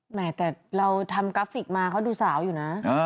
แต่เราทำกราฟิกมาเขาดูสาวอยู่นะ